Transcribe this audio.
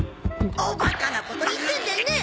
おバカなこと言ってんでねえ！